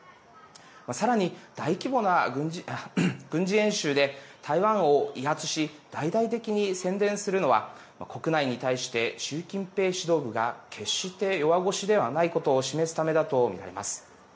さらに、大規模な軍事演習で台湾を威圧し大々的に宣伝するのは国内に対して習近平指導部が決して弱腰ではないことを示すためだと見られます。